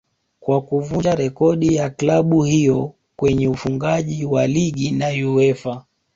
kwa kuvunja rekodi ya club hiyo kwenye ufungaji wa ligi na Uefa